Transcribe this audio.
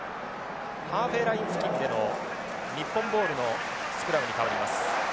ハーフウェイライン付近での日本ボールのスクラムに変わります。